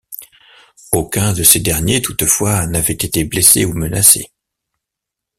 Aucun de ces derniers toutefois n'avait été blessé ou menacé.